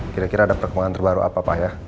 kira kira ada perkembangan terbaru apa pak ya